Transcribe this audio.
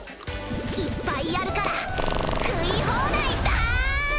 いっぱいあるから食い放題だ！